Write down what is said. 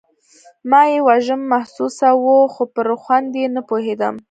ما يې وږم محسوساوه خو پر خوند يې نه پوهېدم.